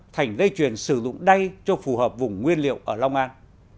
thành dây chuyền sử dụng đay cho phù hợp vùng nguyên liệu ở long an